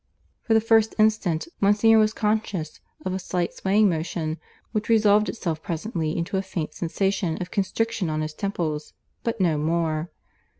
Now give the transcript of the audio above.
For the first instant Monsignor was conscious of a slight swaying motion, which resolved itself presently into a faint sensation of constriction on his temples, but no more.